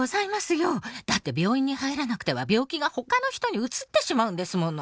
よだって病院にはいらなくては病気がほかの人にうつってしまうんですもの」。